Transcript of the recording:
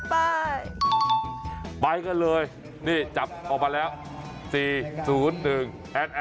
ไปกันเลยนี่จับออกมาแล้ว๔๐๑แอดแอด